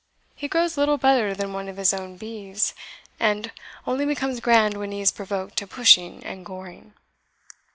He grows little better than one of his own beeves, and only becomes grand when he is provoked to pushing and goring."